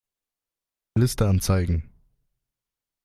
Liste anzeigen.